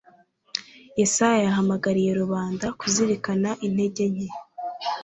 yesaya yahamagariye rubanda kuzirikana intege nke